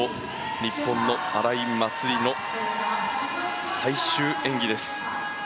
日本の荒井祭里の最終演技です。